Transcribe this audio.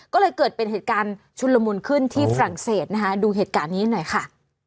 ก็เลยเกิดเป็นเหตุการณ์ชุนละมุนขึ้นที่ฝรั่งเศสนะคะดูเหตุการณ์นี้หน่อยค่ะ